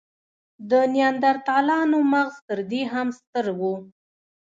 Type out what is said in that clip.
د نایندرتالانو مغز تر دې هم ستر و.